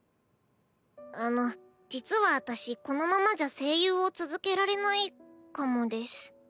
あの実は私このままじゃ声優を続けられないかもです。